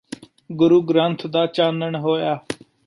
ਗੁਰੂ ਗ੍ਰੰਥ ਦਾ ਚਾਨਣ ਹੋਇਆ